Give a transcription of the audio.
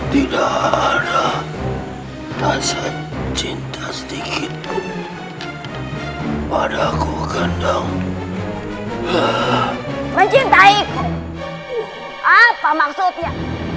tidak ada rasa cinta sedikit padaku kadang mencintaiku apa maksudnya